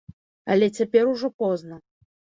Але цяпер ужо позна.